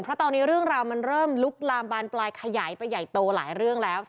เพราะตอนนี้เรื่องราวมันเริ่มลุกลามบานปลายขยายไปใหญ่โตหลายเรื่องแล้ว